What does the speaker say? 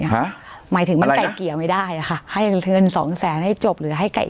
หมายถึงมันไก่เกลี่ยไม่ได้ค่ะให้เงินสองแสนให้จบหรือให้ไก่